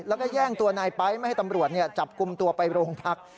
แล้วก็แย่งตัวนายไป๊ไม่ให้ตำรวจจับกลุ่มตัวไปโรงพัก